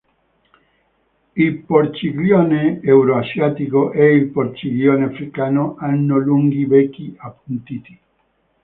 Il porciglione eurasiatico e il porciglione africano hanno lunghi becchi appuntiti.